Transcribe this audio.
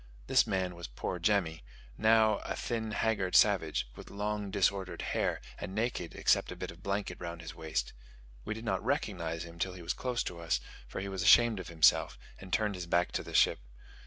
This man was poor Jemmy, now a thin, haggard savage, with long disordered hair, and naked, except a bit of blanket round his waist. We did not recognize him till he was close to us, for he was ashamed of himself, and turned his back to the ship.